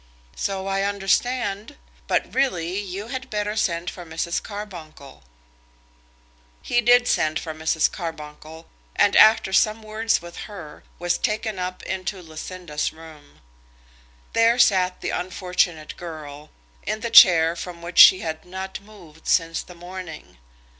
"So I understand; but really you had better send for Mrs. Carbuncle." He did send for Mrs. Carbuncle, and after some words with her, was taken up into Lucinda's room. There sat the unfortunate girl, in the chair from which she had not moved since the morning.